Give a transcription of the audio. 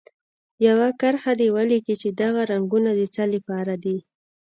یوه کرښه دې ولیکي چې دغه رنګونه د څه لپاره دي.